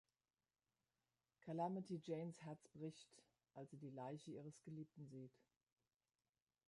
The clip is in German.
Calamity Janes Herz bricht, als sie die Leiche ihres Geliebten sieht.